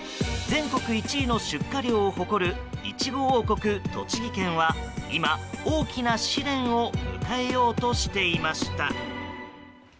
全国１位の出荷量を誇るイチゴ王国、栃木県は今、大きな試練を迎えようとしていました。